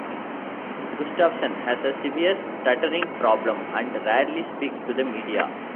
Gustafson has a severe stuttering problem and rarely speaks to the media.